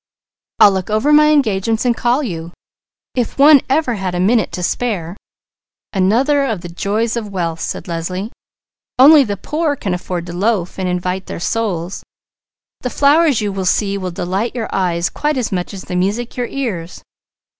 "I'll look over my engagements and call you. If one ever had a minute to spare!" "Another of the joys of wealth!" said Leslie. "Only the poor can afford to 'loaf and invite their souls.' The flowers you will see will delight your eyes, quite as much as the music your ears."